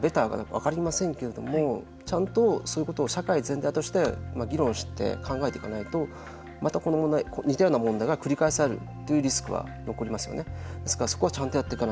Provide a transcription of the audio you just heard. どういうやり方がベターなのか分かりませんけれどもちゃんと、そういうことを社会全体として議論して考えていかないとまた、この問題似たような問題が繰り返しされるというリスクが残りますよね。